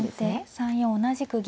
３四同じく銀。